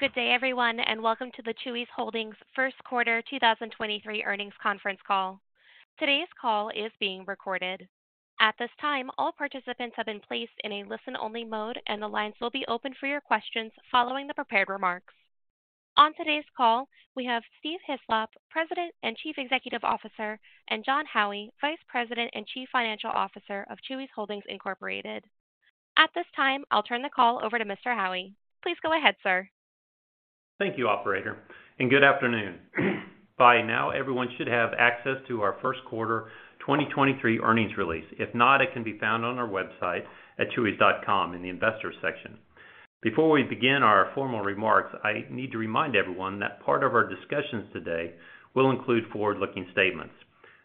Good day, everyone. Welcome to the Chuy's Holdings First Quarter 2023 earnings conference call. Today's call is being recorded. At this time, all participants have been placed in a listen-only mode, and the lines will be open for your questions following the prepared remarks. On today's call, we have Steve Hislop, President and Chief Executive Officer, and Jon Howey, Vice President and Chief Financial Officer of Chuy's Holdings, Inc.. At this time, I'll turn the call over to Mr. Howey. Please go ahead, sir. Thank you, Operator, and good afternoon. By now, everyone should have access to our first quarter 2023 earnings release. If not, it can be found on our website at chuys.com in the Investors section. Before we begin our formal remarks, I need to remind everyone that part of our discussions today will include forward-looking statements.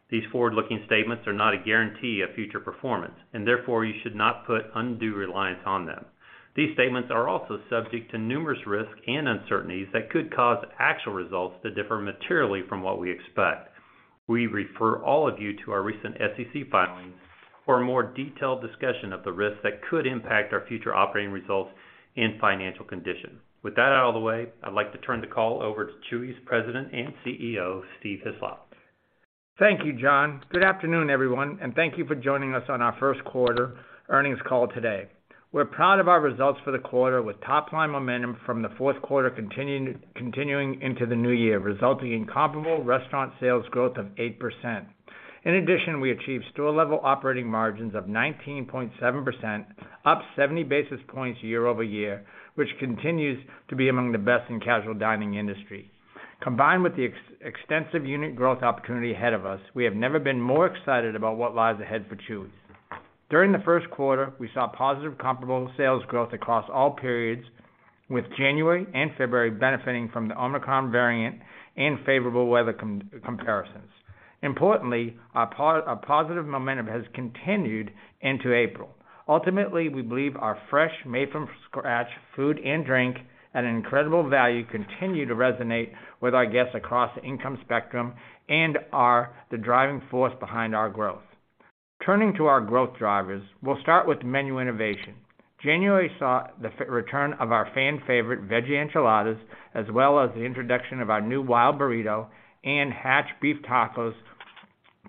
These forward-looking statements are not a guarantee of future performance, and therefore you should not put undue reliance on them. These statements are also subject to numerous risks and uncertainties that could cause actual results to differ materially from what we expect. We refer all of you to our recent SEC filings for a more detailed discussion of the risks that could impact our future operating results and financial condition. With that out of the way, I'd like to turn the call over to Chuy's President and CEO, Steve Hislop. Thank you, Jon. Good afternoon, everyone, and thank you for joining us on our first quarter earnings call today. We're proud of our results for the quarter with top-line momentum from the fourth quarter continuing into the new year, resulting in comparable restaurant sales growth of 8%. In addition, we achieved store-level operating margins of 19.7%, up 70 basis points year-over-year, which continues to be among the best in casual dining industry. Combined with the extensive unit growth opportunity ahead of us, we have never been more excited about what lies ahead for Chuy's. During the first quarter, we saw positive comparable sales growth across all periods, with January and February benefiting from the Omicron variant and favorable weather comparisons. Importantly, our positive momentum has continued into April. Ultimately, we believe our fresh made from scratch food and drink at an incredible value continue to resonate with our guests across the income spectrum and are the driving force behind our growth. Turning to our growth drivers, we'll start with menu innovation. January saw the return of our fan favorite Veggie Enchiladas, as well as the introduction of our new Wild Burrito and Hatch Beef Tacos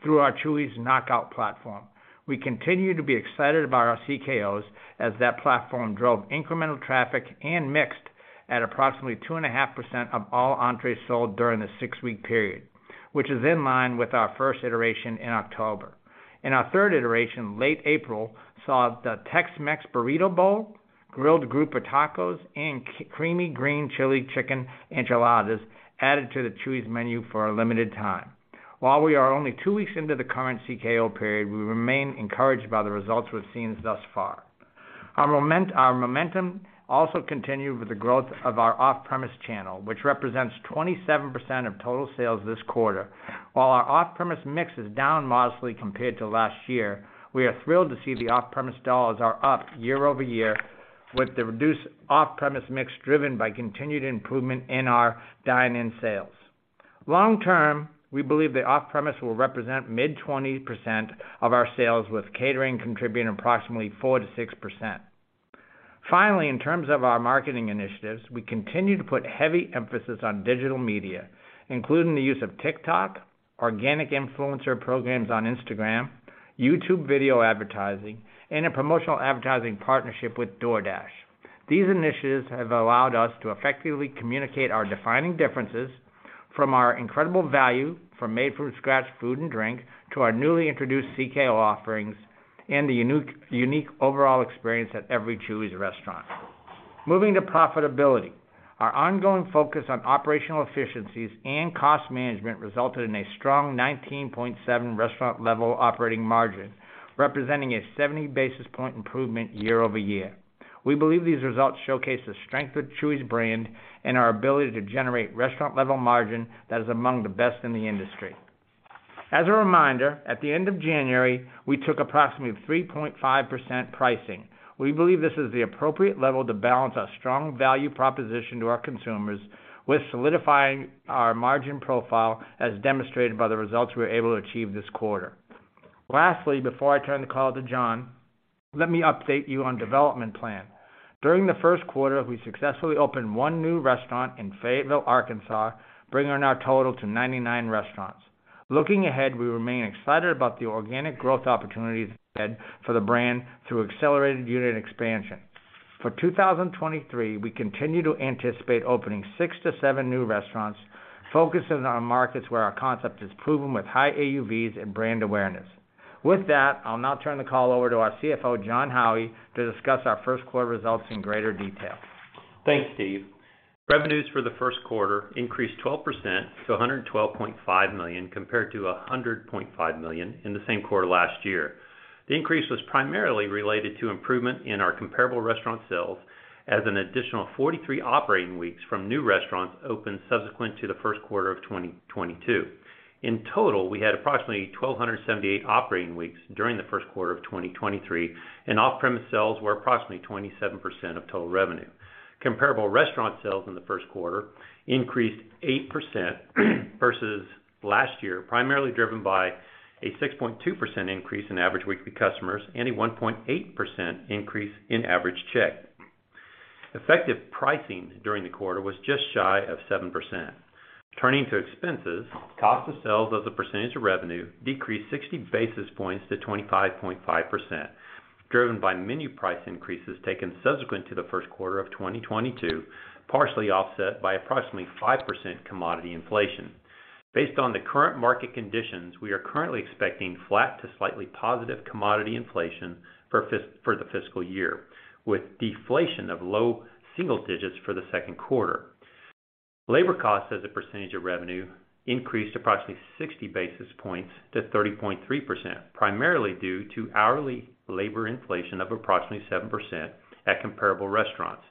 through our Chuy's Knockout platform. We continue to be excited about our CKOs as that platform drove incremental traffic and mixed at approximately 2.5% of all entrees sold during the six-week period, which is in line with our first iteration in October. In our third iteration, late April saw the Tex-Mex Burrito Bowl, Grilled Grouper Tacos, and Creamy Green Chile Chicken Enchiladas added to the Chuy's menu for a limited time. While we are only two weeks into the current CKO period, we remain encouraged by the results we've seen thus far. Our momentum also continued with the growth of our off-premise channel, which represents 27% of total sales this quarter. While our off-premise mix is down modestly compared to last year, we are thrilled to see the off-premise dollars are up year-over-year with the reduced off-premise mix driven by continued improvement in our dine-in sales. Long-term, we believe the off-premise will represent mid 20% of our sales, with catering contributing approximately 4%-6%. Finally, in terms of our marketing initiatives, we continue to put heavy emphasis on digital media, including the use of TikTok, organic influencer programs on Instagram, YouTube video advertising, and a promotional advertising partnership with DoorDash. These initiatives have allowed us to effectively communicate our defining differences from our incredible value from made-from-scratch food and drink to our newly introduced CKO offerings and the unique overall experience at every Chuy's restaurant. Moving to profitability. Our ongoing focus on operational efficiencies and cost management resulted in a strong 19.7 restaurant-level operating margin, representing a 70 basis point improvement year-over-year. We believe these results showcase the strength of Chuy's brand and our ability to generate restaurant-level margin that is among the best in the industry. As a reminder, at the end of January, we took approximately 3.5% pricing. We believe this is the appropriate level to balance our strong value proposition to our consumers with solidifying our margin profile as demonstrated by the results we were able to achieve this quarter. Lastly, before I turn the call to Jon, let me update you on development plan. During the first quarter, we successfully opened one new restaurant in Fayetteville, Arkansas, bringing our total to 99 restaurants. Looking ahead, we remain excited about the organic growth opportunities ahead for the brand through accelerated unit expansion. For 2023, we continue to anticipate opening six to seven new restaurants focusing on markets where our concept is proven with high AUVs and brand awareness. With that, I'll now turn the call over to our CFO, Jon Howey, to discuss our first quarter results in greater detail. Thanks, Steve. Revenues for the first quarter increased 12% to $112.5 million compared to $100.5 million in the same quarter last year. The increase was primarily related to improvement in our comparable restaurant sales as an additional 43 operating weeks from new restaurants opened subsequent to the first quarter of 2022. In total, we had approximately 1,278 operating weeks during the first quarter of 2023, and off-premise sales were approximately 27% of total revenue. Comparable restaurant sales in the first quarter increased 8% versus last year, primarily driven by a 6.2% increase in average weekly customers and a 1.8% increase in average check. Effective pricing during the quarter was just shy of 7%. Turning to expenses, cost of sales as a percentage of revenue decreased 60 basis points to 25.5%, driven by menu price increases taken subsequent to the first quarter of 2022, partially offset by approximately 5% commodity inflation. Based on the current market conditions, we are currently expecting flat to slightly positive commodity inflation for the fiscal year, with deflation of low single digits for the second quarter. Labor costs as a percentage of revenue increased approximately 60 basis points to 30.3%, primarily due to hourly labor inflation of approximately 7% at comparable restaurants,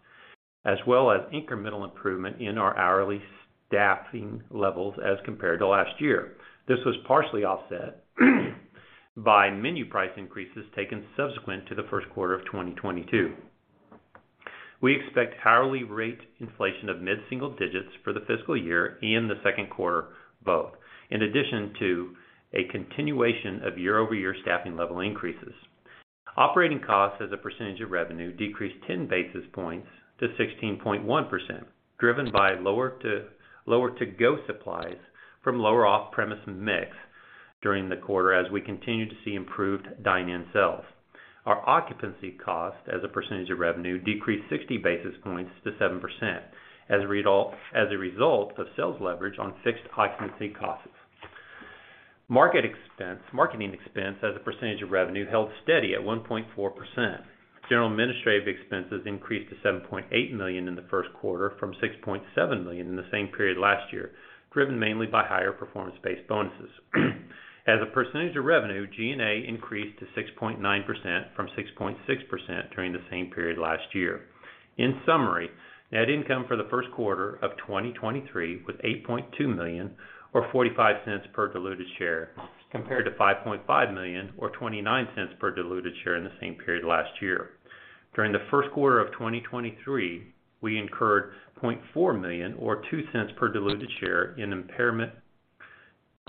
as well as incremental improvement in our hourly staffing levels as compared to last year. This was partially offset by menu price increases taken subsequent to the first quarter of 2022. We expect hourly rate inflation of mid-single digits for the fiscal year in the second quarter both, in addition to a continuation of year-over-year staffing level increases. Operating costs as a percentage of revenue decreased 10 basis points to 16.1%, driven by lower to-go supplies from lower off-premise mix during the quarter as we continue to see improved dine-in sales. Our occupancy cost as a percentage of revenue decreased 60 basis points to 7% as a result of sales leverage on fixed occupancy costs. Marketing expense as a percentage of revenue held steady at 1.4%. General and Administrative Expenses increased to $7.8 million in the first quarter from $6.7 million in the same period last year, driven mainly by higher performance-based bonuses. As a percentage of revenue, G&A increased to 6.9% from 6.6% during the same period last year. In summary, net income for the first quarter of 2023 was $8.2 million or $0.45 per diluted share, compared to $5.5 million or $0.29 per diluted share in the same period last year. During the first quarter of 2023, we incurred $0.4 million or $0.02 per diluted share in impairment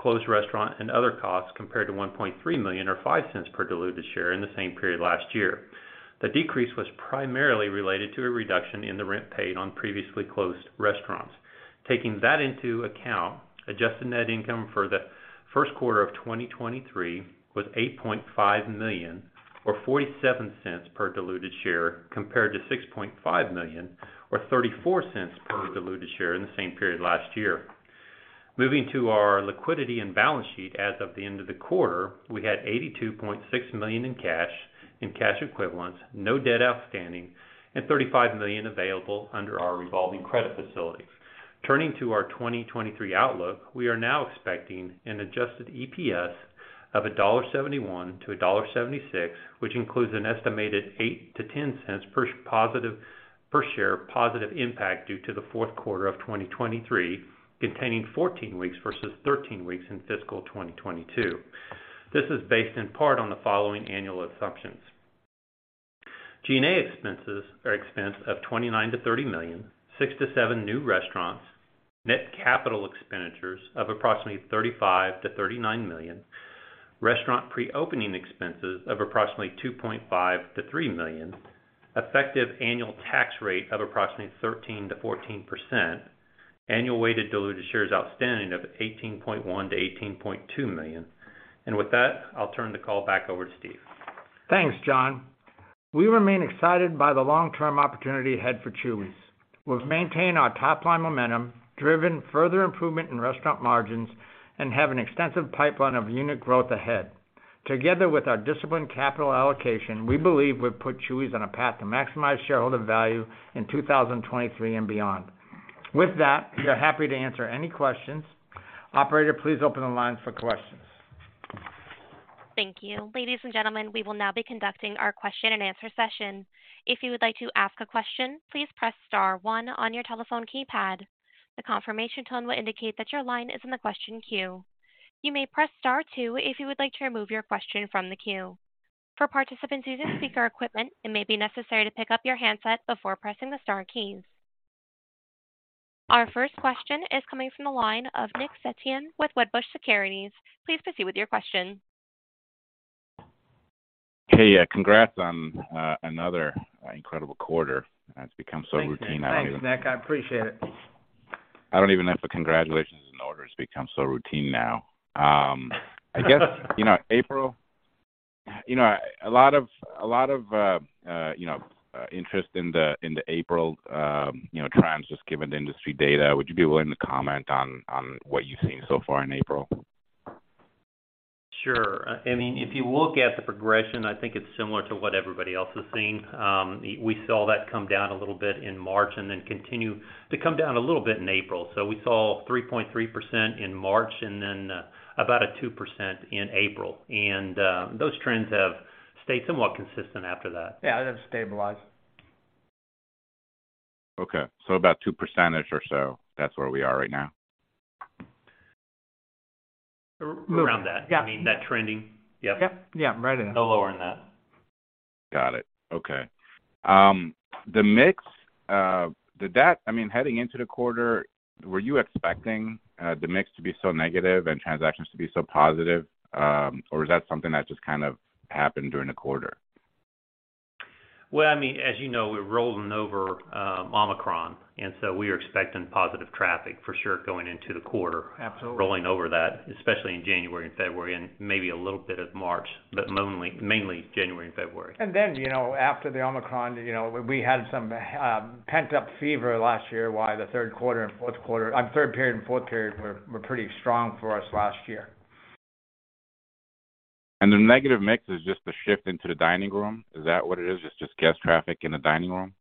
closed restaurant and other costs compared to $1.3 million or $0.05 per diluted share in the same period last year. The decrease was primarily related to a reduction in the rent paid on previously closed restaurants. Taking that into account, adjusted net income for the first quarter of 2023 was $8.5 million or $0.47 per diluted share compared to $6.5 million or $0.34 per diluted share in the same period last year. Moving to our liquidity and balance sheet, as of the end of the quarter, we had $82.6 million in cash and cash equivalents, no debt outstanding and $35 million available under our revolving credit facility. Turning to our 2023 outlook, we are now expecting an adjusted EPS of $1.71-$1.76, which includes an estimated $0.08-$0.10 per share positive impact due to the fourth quarter of 2023, containing 14 weeks versus 13 weeks in fiscal 2022. This is based in part on the following annual assumptions. G&A expenses or expense of $29 million-$30 million, six to seven new restaurants, net capital expenditures of approximately $35 million-$39 million, restaurant pre-opening expenses of approximately $2.5 million-$3 million, effective annual tax rate of approximately 13%-14%, annual weighted diluted shares outstanding of $18.1 million-$18.2 million. With that, I'll turn the call back over to Steve. Thanks, Jon. We remain excited by the long-term opportunity ahead for Chuy's. We've maintained our top line momentum, driven further improvement in restaurant margins, and have an extensive pipeline of unit growth ahead. Together with our disciplined capital allocation, we believe we've put Chuy's on a path to maximize shareholder value in 2023 and beyond. With that, we're happy to answer any questions. Operator, please open the lines for questions. Thank you. Ladies and gentlemen, we will now be conducting our question-and-answer session. If you would like to ask a question, please press star one on your telephone keypad. The confirmation tone will indicate that your line is in the question queue. You may press star two if you would like to remove your question from the queue. For participants using speaker equipment, it may be necessary to pick up your handset before pressing the star keys. Our first question is coming from the line of Nick Setyan with Wedbush Securities. Please proceed with your question. Hey, congrats on another incredible quarter. That's become so routine now. Thanks, Nick. I appreciate it. I don't even know if a congratulations is in order. It's become so routine now. I guess, you know, April, you know, a lot of, you know, interest in the April, you know, trends just given the industry data. Would you be willing to comment on what you've seen so far in April? Sure. I mean, if you look at the progression, I think it's similar to what everybody else is seeing. We saw that come down a little bit in March and then continue to come down a little bit in April. We saw 3.3% in March and then about a 2% in April. Those trends have stayed somewhat consistent after that. Yeah, they've stabilized. Okay, about 2% or so, that's where we are right now. Around that. Yeah. I mean, that trending. Yep. Yep. Yeah, right in that. No lower than that. Got it. Okay. The mix, I mean, heading into the quarter, were you expecting the mix to be so negative and transactions to be so positive, or is that something that just kind of happened during the quarter? I mean, as you know, we're rolling over, Omicron, we're expecting positive traffic for sure going into the quarter. Absolutely. Rolling over that, especially in January and February and maybe a little bit of March, but mainly January and February. you know, after the Omicron, you know, we had some pent-up fever last year, why the third quarter and fourth quarter, third period and fourth period were pretty strong for us last year. The negative mix is just the shift into the dining room. Is that what it is? It's just guest traffic in the dining room.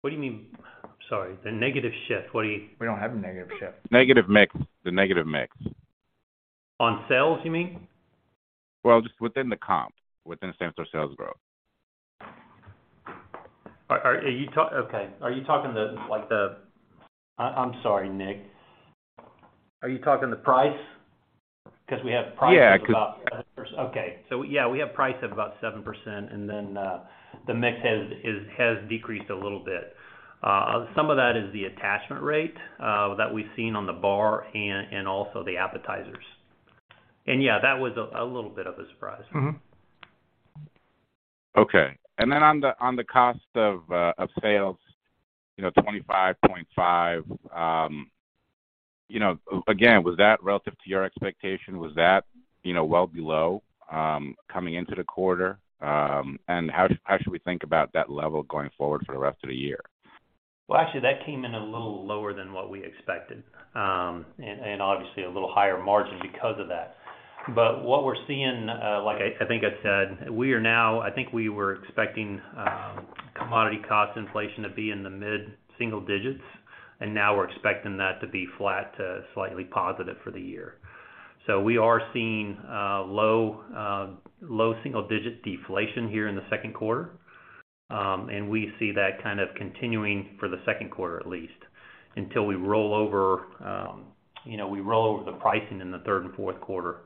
What do you mean? Sorry, the negative shift. What do you- We don't have a negative shift. The negative mix. On sales, you mean? Well, just within the comp, within same store sales growth. Are you okay? Are you talking the, like the...? I'm sorry, Nick. Are you talking the price? 'Cause we have prices- Yeah. Yeah, we have price of about 7%, the mix has decreased a little bit. Some of that is the attachment rate that we've seen on the bar and also the appetizers. Yeah, that was a little bit of a surprise. Mm-hmm. Okay. Then on the cost of sales, you know, 25.5%, you know, again, was that relative to your expectation? Was that, you know, well below, coming into the quarter? How should we think about that level going forward for the rest of the year? Well, actually, that came in a little lower than what we expected, and obviously a little higher margin because of that. What we're seeing, like I think I said, I think we were expecting commodity cost inflation to be in the mid-single digits, and now we're expecting that to be flat to slightly positive for the year. We are seeing low single digit deflation here in the second quarter. We see that kind of continuing for the second quarter at least until we roll over, you know, we roll over the pricing in the third and fourth quarter,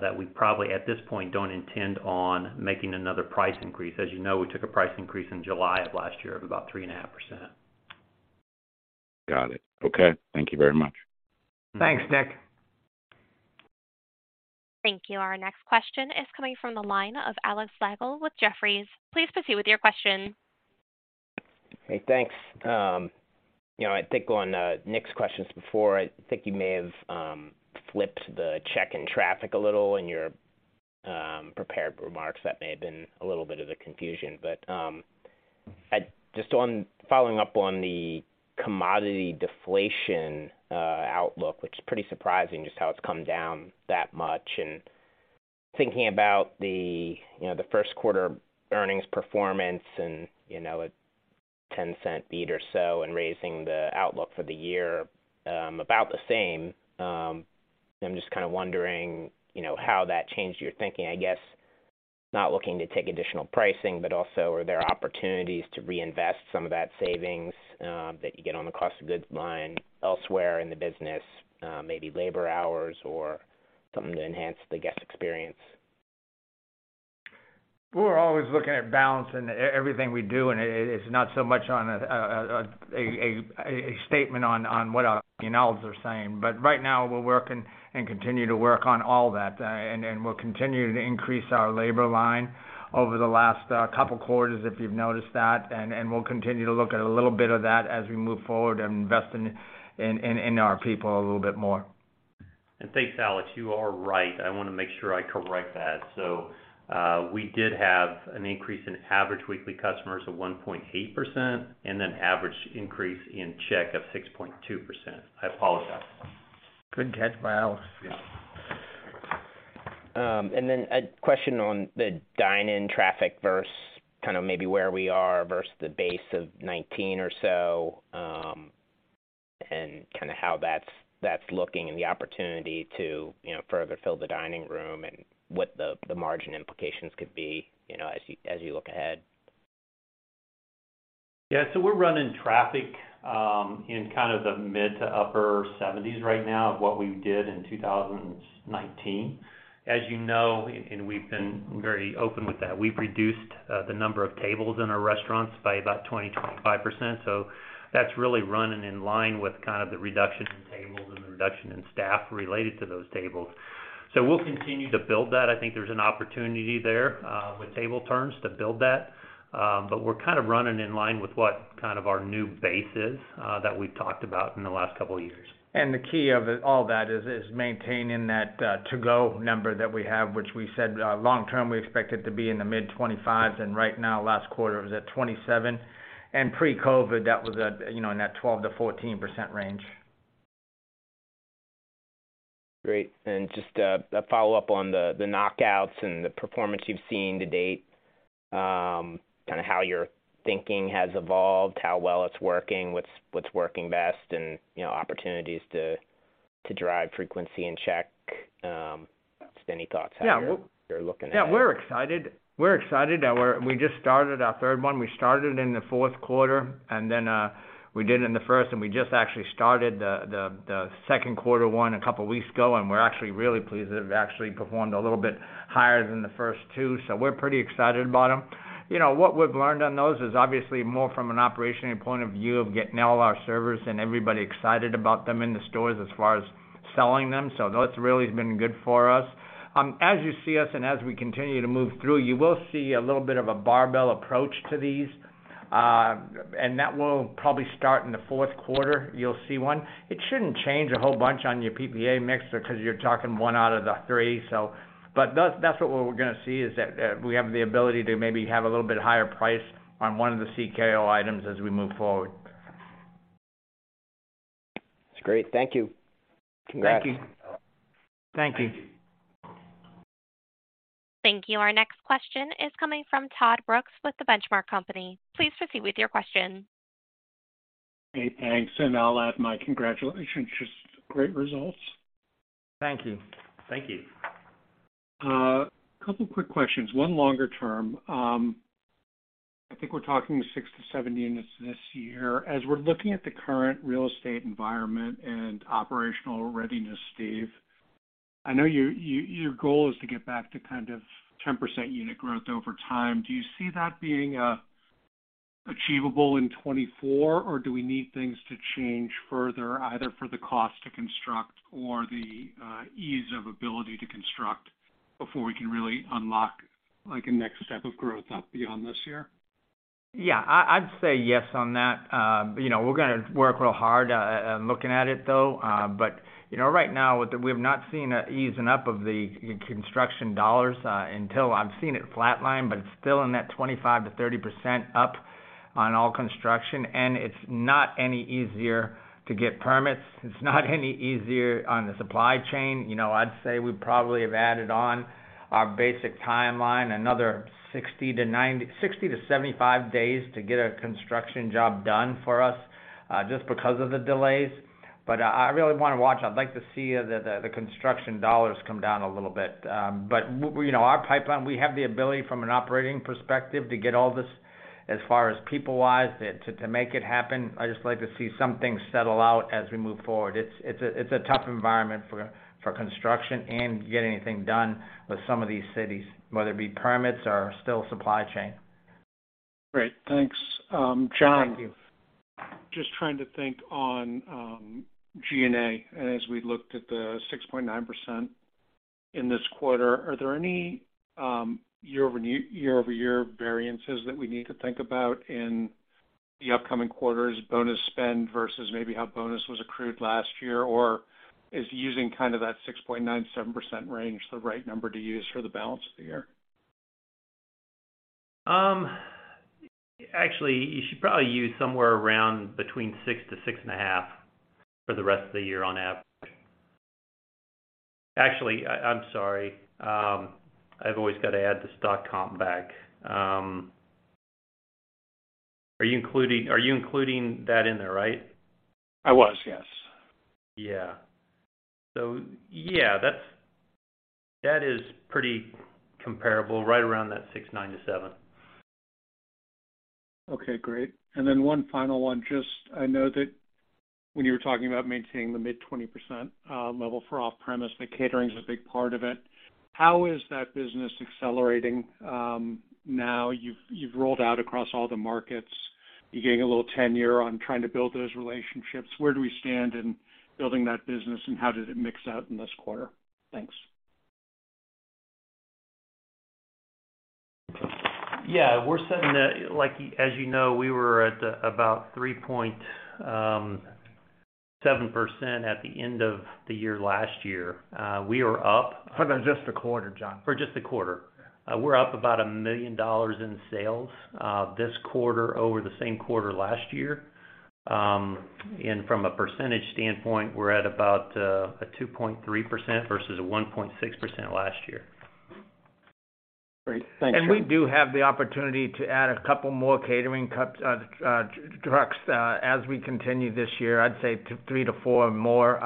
that we probably, at this point, don't intend on making another price increase. As you know, we took a price increase in July of last year of about 3.5%. Got it. Okay. Thank you very much. Thanks, Nick. Thank you. Our next question is coming from the line of Alexander Slagle with Jefferies. Please proceed with your question. Hey, thanks. You know, I think on Nick's questions before, I think you may have flipped the check-in traffic a little in your prepared remarks. That may have been a little bit of the confusion. I just following up on the commodity deflation outlook, which is pretty surprising just how it's come down that much and thinking about the, you know, the first quarter earnings performance and, you know, a $0.10 beat or so and raising the outlook for the year, about the same, I'm just kind of wondering, you know, how that changed your thinking. I guess, not looking to take additional pricing, but also are there opportunities to reinvest some of that savings that you get on the cost of goods line elsewhere in the business, maybe labor hours or something to enhance the guest experience? We're always looking at balancing everything we do, and it's not so much on a statement on what our analysts are saying. Right now we're working and continue to work on all that, and we'll continue to increase our labor line over the last couple quarters, if you've noticed that, and we'll continue to look at a little bit of that as we move forward and invest in our people a little bit more. Thanks, Alex. You are right. I wanna make sure I correct that. We did have an increase in average weekly customers of 1.8% and an average increase in check of 6.2%. I apologize. Good catch by Alex. A question on the dine-in traffic versus kind of maybe where we are versus the base of 2019 or so, and kinda how that's looking and the opportunity to, you know, further fill the dining room and what the margin implications could be, you know, as you look ahead. Yeah. We're running traffic in kind of the mid to upper 70s right now of what we did in 2019. As you know, and we've been very open with that, we've reduced the number of tables in our restaurants by about 20%-25%. That's really running in line with kind of the reduction in tables and the reduction in staff related to those tables. We'll continue to build that. I think there's an opportunity there with table turns to build that. We're kind of running in line with what kind of our new base is that we've talked about in the last couple of years. The key of it, all that is maintaining that to-go number that we have, which we said, long term, we expect it to be in the mid-20s, and right now, last quarter was at 27. Pre-COVID, that was at, you know, in that 12%-14% range. Great. Just a follow-up on the Knockouts and the performance you've seen to date, kinda how your thinking has evolved, how well it's working, what's working best, and, you know, opportunities to drive frequency and check, just any thoughts how you're-? Yeah. You're looking at it. Yeah, we're excited. We're excited. We just started our third one. We started in the fourth quarter, and then we did it in the first, and we just actually started the second quarter one a couple weeks ago, and we're actually really pleased that it actually performed a little bit higher than the first two. We're pretty excited about them. You know, what we've learned on those is obviously more from an operational point of view of getting all our servers and everybody excited about them in the stores as far as selling them. That's really been good for us. As you see us and as we continue to move through, you will see a little bit of a barbell approach to these. That will probably start in the fourth quarter, you'll see one. It shouldn't change a whole bunch on your PPA mixer because you're talking one out of the three. That's what we're gonna see is that we have the ability to maybe have a little bit higher price on 1 of the CKO items as we move forward. That's great. Thank you. Congrats. Thank you. Thank you. Thank you. Our next question is coming from Todd Brooks with The Benchmark Company. Please proceed with your question. Hey, thanks. I'll add my congratulations. Just great results. Thank you. Thank you. Couple quick questions. One longer term. I think we're talking six to seven units this year. As we're looking at the current real estate environment and operational readiness, Steve, I know your goal is to get back to kind of 10% unit growth over time. Do you see that being achievable in 2024, or do we need things to change further either for the cost to construct or the ease of ability to construct before we can really unlock like a next step of growth up beyond this year? Yeah, I'd say yes on that. you know, we're gonna work real hard, looking at it though, but you know, right now we have not seen an easing up of the construction dollars, until I've seen it flatline, but it's still in that 25%-30% up on all construction. It's not any easier to get permits. It's not any easier on the supply chain. you know, I'd say we probably have added on our basic timeline another 60-75 days to get a construction job done for us, just because of the delays. I really wanna watch. I'd like to see the, the construction dollars come down a little bit. You know, our pipeline, we have the ability from an operating perspective to get all this as far as people-wise to make it happen. I just like to see some things settle out as we move forward. It's a tough environment for construction and getting anything done with some of these cities, whether it be permits or still supply chain. Great. Thanks, Jon. Thank you. Just trying to think on, G&A as we looked at the 6.9% in this quarter. Are there any year-over-year variances that we need to think about in the upcoming quarters, bonus spend versus maybe how bonus was accrued last year? Or is using kind of that 6.97% range the right number to use for the balance of the year? Actually you should probably use somewhere around between 6-6.5 for the rest of the year on average. Actually, I'm sorry. I've always got to add the stock comp back. Are you including that in there, right? I was, yes. Yeah. Yeah, that is pretty comparable. Right around that 6.9-7. Okay, great. One final one. Just I know that when you were talking about maintaining the mid 20% level for off-premise, the catering is a big part of it. How is that business accelerating now you've rolled out across all the markets, you're getting a little tenure on trying to build those relationships? Where do we stand in building that business, how did it mix out in this quarter? Thanks. We're sitting at like as you know we were at about 3.7% at the end of the year last year. How about just the quarter, Jon? For just the quarter. We're up about $1 million in sales this quarter over the same quarter last year. From a percentage standpoint, we're at about a 2.3% versus a 1.6% last year. Great, thanks. We do have the opportunity to add a couple more catering trucks as we continue this year. I'd say three to four more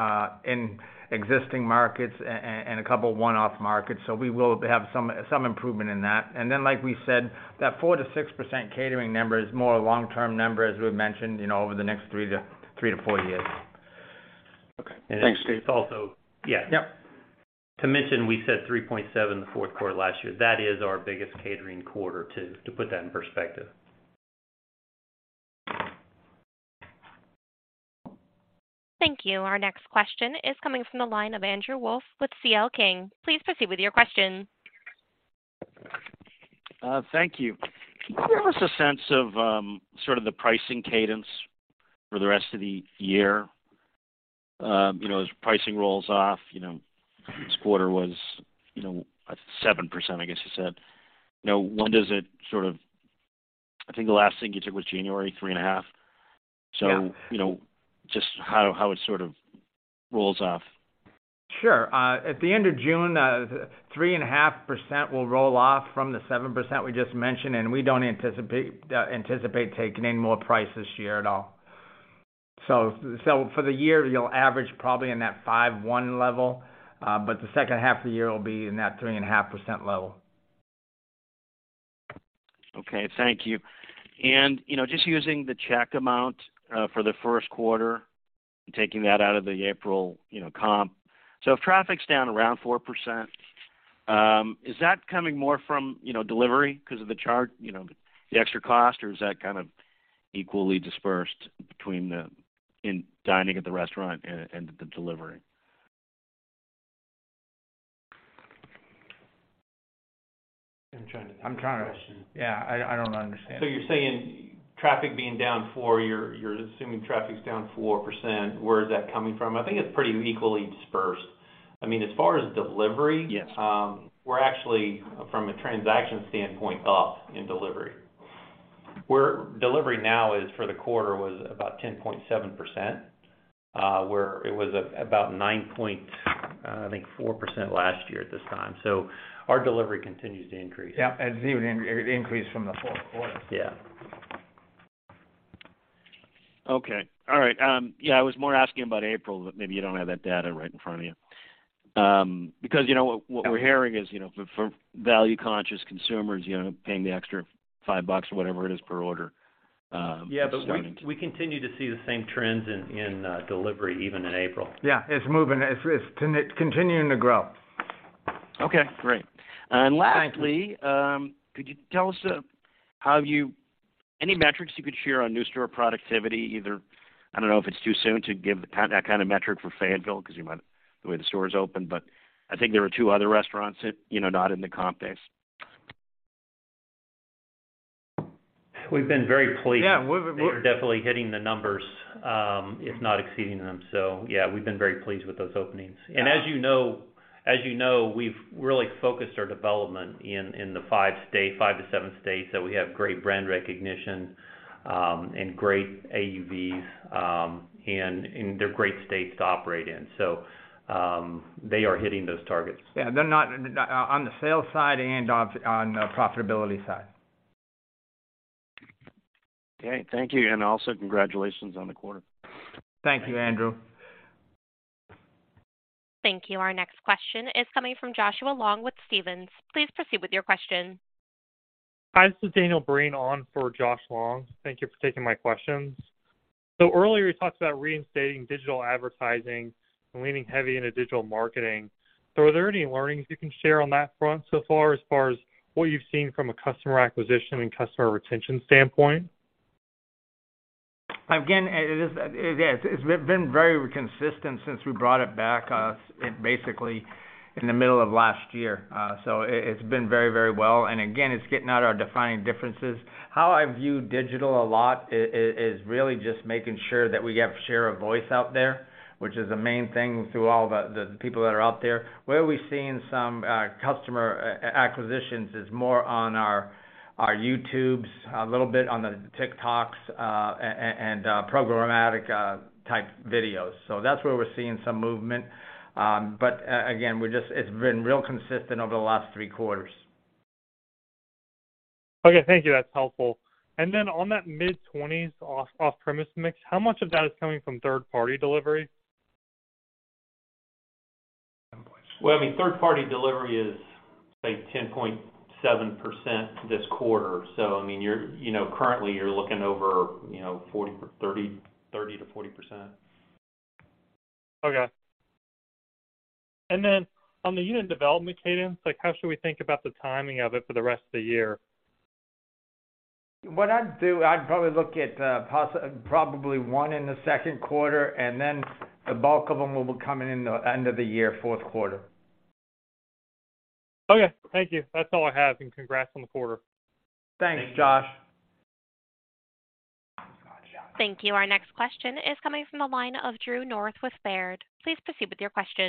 in existing markets and a couple of one-off markets. We will have some improvement in that. Like we said, that 4%-6% catering number is more a long term number, as we've mentioned, you know over the next three to four years. Okay, thanks, Steve. It's yeah. Yep. To mention, we said 3.7% the fourth quarter last year. That is our biggest catering quarter to put that in perspective. Thank you. Our next question is coming from the line of Andrew Wolf with C.L. King. Please proceed with your question. Thank you. Can you give us a sense of sort of the pricing cadence for the rest of the year? You know, as pricing rolls off, you know, this quarter was, you know, 7%, I guess you said, you know, when does it sort of... I think the last thing you took was January 3.5%. Yeah. you know, just how it sort of rolls off. Sure. At the end of June, 3.5% will roll off from the 7% we just mentioned. We don't anticipate taking any more price this year at all. For the year, you'll average probably in that 5.1% level, the second half of the year will be in that 3.5% level. Okay. Thank you. you know, just using the check amount for the first quarter, taking that out of the April, you know, comp. If traffic's down around 4% Is that coming more from, you know, delivery 'cause of the you know, the extra cost or is that kind of equally dispersed between the... In dining at the restaurant and the delivery? I'm trying to- Yeah, I don't understand. You're saying traffic being down four, you're assuming traffic's down 4%. Where is that coming from? I think it's pretty equally dispersed. I mean, as far as Yes. We're actually, from a transaction standpoint, up in delivery. Delivery now is for the quarter was about 10.7%, where it was about 9.4% last year at this time. Our delivery continues to increase. Yeah, it's even increased from the fourth quarter. Yeah. Okay. All right. Yeah, I was more asking about April, but maybe you don't have that data right in front of you. Because you know, what we're hearing is, you know, for value-conscious consumers, you know, paying the extra $5 or whatever it is per order. Yeah, we continue to see the same trends in delivery even in April. Yeah, it's moving. It's continuing to grow. Okay, great. Thank you. Lastly, could you tell us, any metrics you could share on new store productivity either? I don't know if it's too soon to give that kind of metric for Fayetteville because the way the store is open, but I think there are two other restaurants, you know, not in the comp base. We've been very pleased. Yeah. We're. They're definitely hitting the numbers, if not exceeding them. Yeah, we've been very pleased with those openings. Yeah. As you know, we've really focused our development in the five to seven states that we have great brand recognition, and great AUVs, and they're great states to operate in. They are hitting those targets. Yeah, On the sales side and on profitability side. Okay. Thank you. Also congratulations on the quarter. Thank you, Andrew. Thank you. Our next question is coming from Joshua Long with Stephens. Please proceed with your question. Hi, this is Daniel Breen on for Josh Long. Thank you for taking my questions. Earlier, you talked about reinstating digital advertising and leaning heavy into digital marketing. Are there any learnings you can share on that front so far as far as what you've seen from a customer acquisition and customer retention standpoint? Again, yes, it's been very consistent since we brought it back, basically in the middle of last year. It's been very, very well. Again, it's getting out our defining differences. How I view digital a lot is really just making sure that we have share a voice out there, which is the main thing to all the people that are out there. Where we've seen some customer acquisitions is more on our YouTubes, a little bit on the TikToks, and programmatic type videos. That's where we're seeing some movement. Again, we just... It's been real consistent over the last three quarters. Okay. Thank you. That's helpful. On that mid-20s off-premise mix, how much of that is coming from third-party delivery? Well, I mean, third party delivery is, say, 10.7% this quarter. I mean, you're, you know, currently you're looking over, you know, 30%-40%. Okay. Then on the unit development cadence, like how should we think about the timing of it for the rest of the year? What I'd do, I'd probably look at, probably one in the second quarter, and then the bulk of them will be coming in the end of the year, fourth quarter. Okay. Thank you. That's all I have. Congrats on the quarter. Thanks, Josh. Thank you. Our next question is coming from the line of Drew North with Baird. Please proceed with your question.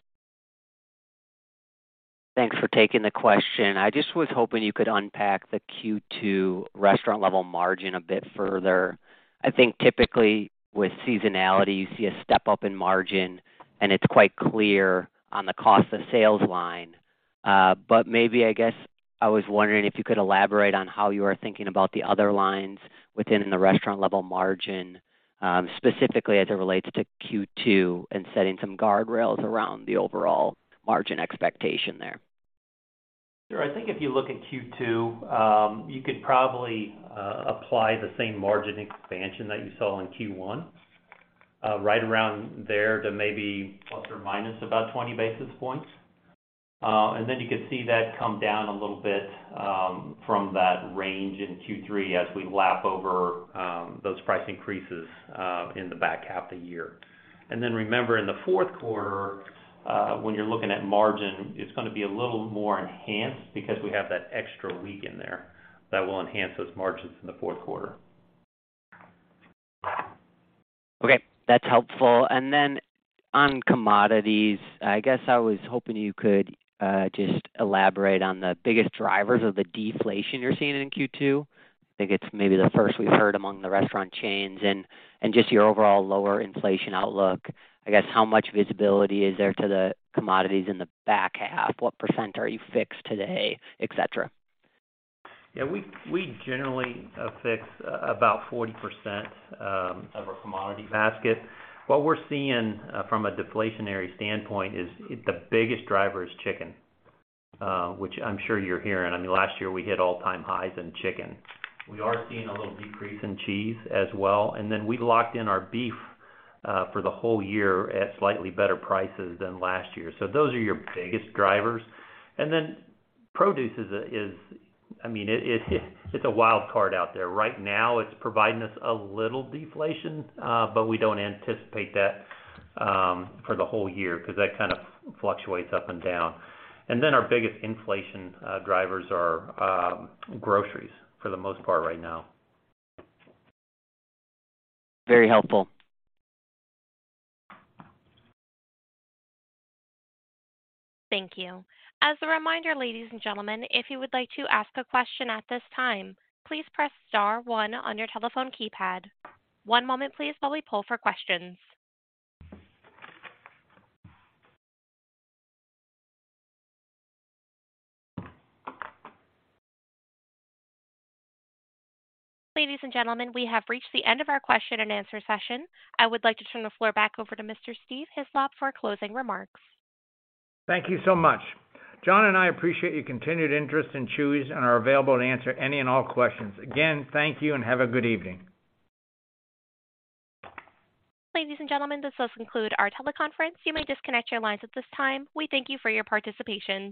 Thanks for taking the question. I just was hoping you could unpack the Q2 restaurant-level margin a bit further. I think typically with seasonality, you see a step up in margin, and it's quite clear on the cost of sales line. Maybe, I guess I was wondering if you could elaborate on how you are thinking about the other lines within the restaurant-level margin, specifically as it relates to Q2 and setting some guardrails around the overall margin expectation there. Sure. I think if you look at Q2, you could probably apply the same margin expansion that you saw in Q1, right around there to maybe ± 20 basis points. You could see that come down a little bit from that range in Q3 as we lap over those price increases in the back half of the year. Remember in the fourth quarter, when you're looking at margin, it's gonna be a little more enhanced because we have that extra week in there that will enhance those margins in the fourth quarter. Okay, that's helpful. On commodities, I guess I was hoping you could just elaborate on the biggest drivers of the deflation you're seeing in Q2. I think it's maybe the first we've heard among the restaurant chains and just your overall lower inflation outlook. I guess, how much visibility is there to the commodities in the back half? What % are you fixed today, etc.? Yeah, we generally fix about 40% of our commodity basket. What we're seeing, from a deflationary standpoint is the biggest driver is chicken, which I'm sure you're hearing. I mean, last year we hit all-time highs in chicken. We are seeing a little decrease in cheese as well. We locked in our beef for the whole year at slightly better prices than last year. Those are your biggest drivers. Produce is a wild card out there. Right now, it's providing us a little deflation, we don't anticipate that for the whole year 'cause that kinda fluctuates up and down. Our biggest inflation drivers are groceries for the most part right now. Very helpful. Thank you. As a reminder, ladies and gentlemen, if you would like to ask a question at this time, please press star one on your telephone keypad. One moment, please, while we pull for questions. Ladies and gentlemen, we have reached the end of our question and answer session. I would like to turn the floor back over to Mr. Steve Hislop for closing remarks. Thank you so much. Jon and I appreciate your continued interest in Chuy's and are available to answer any and all questions. Again, thank you and have a good evening. Ladies and gentlemen, this does conclude our teleconference. You may disconnect your lines at this time. We thank you for your participation.